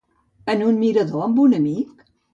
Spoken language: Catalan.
En un mirador amb un amic?